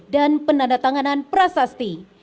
dan penanda tanganan prasasti